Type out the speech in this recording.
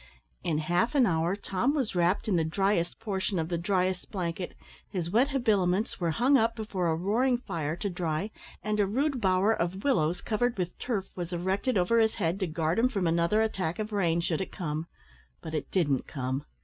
In half an hour Tom was wrapped in the driest portion of the driest blanket; his wet habiliments were hung up before a roaring fire to dry, and a rude bower of willows, covered with turf, was erected over his head to guard him from another attack of rain, should it come; but it didn't come.